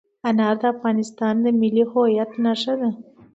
انار د افغانستان د ملي هویت نښه ده.